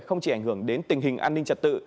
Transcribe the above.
không chỉ ảnh hưởng đến tình hình an ninh trật tự